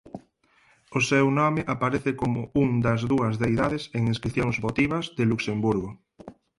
O seu nome aparece como un das dúas deidades en inscricións votivas de Luxemburgo.